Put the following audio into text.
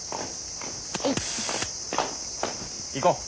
行こう。